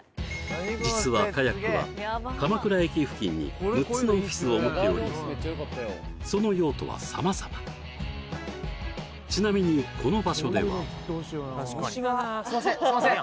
実はカヤックは鎌倉駅付近に６つのオフィスを持っておりその用途は様々ちなみにこの場所ではすいませんすいません